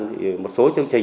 thì một số chương trình